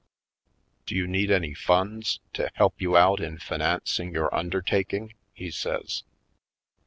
"Do you need any funds to help you out in financing your undertaking?" he says.